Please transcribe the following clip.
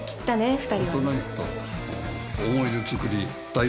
２人は。